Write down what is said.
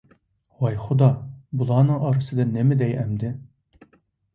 ۋاي خۇدا، بۇلارنىڭ ئارىسىدا نېمە دەي ئەمدى؟ !